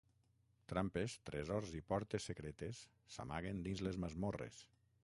Trampes, tresors i portes secretes s'amaguen dins les masmorres.